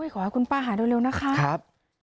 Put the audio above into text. ขอให้คุณป้าหายเร็วนะครับ